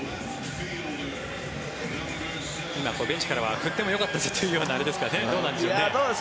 今、ベンチからは振ってもよかったんだというような、あれですかね。